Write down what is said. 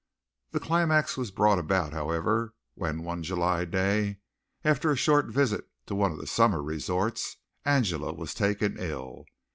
The climax was brought about, however, when one July day after a short visit to one of the summer resorts, Angela was taken ill.